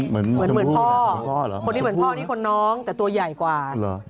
เหมือนพ่อนี้คนน้องแต่ตัวใหญ่กว่า